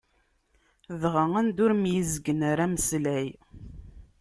Dɣa anda ur myezgen ara ameslay.